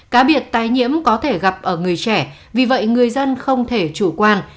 cá biệt tái nhiễm có thể gặp ở người trẻ vì vậy người dân không thể chủ quan